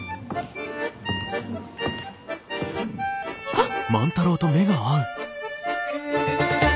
あっ！